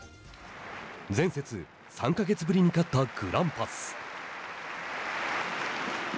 前節、３か月ぶりに勝ったグランパス。